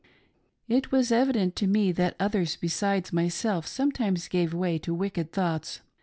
It was evident tp me that others besides myself sometimes gave way to wicked thoughts.